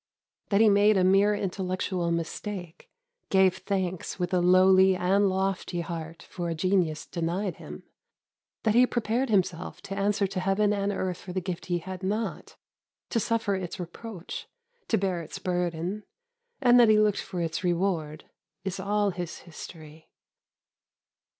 That he made a mere intellectual mistake, gave thanks with a lowly and lofty heart for a genius denied him, that he prepared himself to answer to Heaven and earth for the gift he had not, to suffer its reproach, to bear its burden, and that he looked for its reward, is all his history.